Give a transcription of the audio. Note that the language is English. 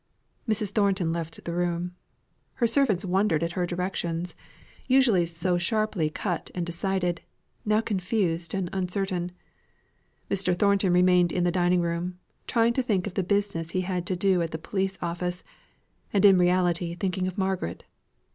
Mrs. Thornton left the room. Her servants wondered at her directions, usually so sharply cut and decided, now confused and uncertain. Mr. Thornton remained in the dining room, trying to think of the business he had to do at the police office, and in reality thinking of Margaret.